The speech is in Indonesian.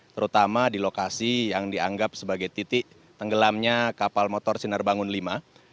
terutama di lokasi yang dianggap sebagai titik tenggelamnya kapal motor sinar bangun v